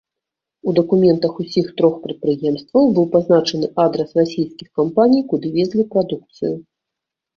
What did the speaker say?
У дакументах ўсіх трох прадпрыемстваў быў пазначаны адрас расійскіх кампаній, куды везлі прадукцыю.